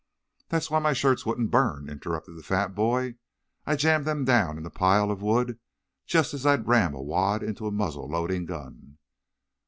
"That's why my shirts wouldn't burn," interrupted the fat boy. "I jammed them down in the pile of wood just as I'd ram a wad into a muzzle loading gun."